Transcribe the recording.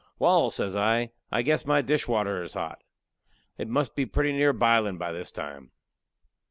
"Wal," says I, "I guess my dishwater is hot; it must be pretty near bilin' by this time."